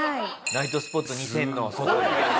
ナイトスポット２０００の外で。